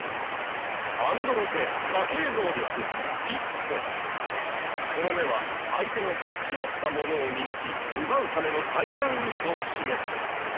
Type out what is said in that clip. アンドロ家家系能力その目は相手の隠し持った物を見抜き奪うための最短ルートを示す。